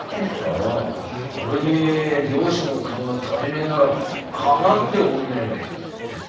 ああ俺に漁師の勘が足りねえなら科学で補えばいいんだ。